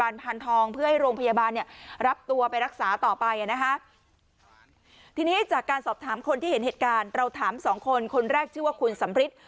เราถาม๒คนคนแรกชื่อว่าคุณสัมภิษฐ์